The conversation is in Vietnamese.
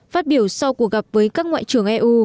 phát biểu sau cuộc gặp với các ngoại trưởng eu